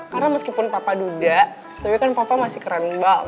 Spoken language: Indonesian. karena meskipun papa duda tapi kan papa masih keren bang